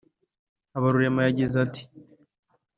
Habarurema yagize ati